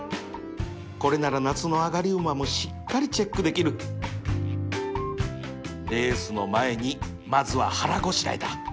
これなら夏の上がり馬もしっかりチェックできるレースの前にまずは腹ごしらえだ